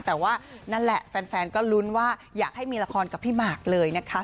แต่ว่านั่นแหละแฟนก็ลุ้นว่าอยากให้มีละครกับพี่หมากเลยนะคะ